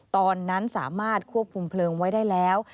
ตอนนั้นสามารถควบคุมเพลิงไว้ได้แล้ว